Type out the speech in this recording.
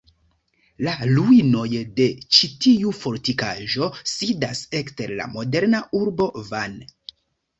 La ruinoj de ĉi tiu fortikaĵo sidas ekster la moderna urbo Van.